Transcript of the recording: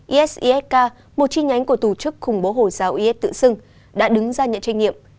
isisk một chi nhánh của tổ chức khủng bố hồi giáo is tự xưng đã đứng ra nhận trách nhiệm